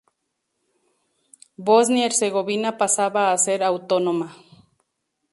Bosnia-Herzegovina pasaba a ser autónoma.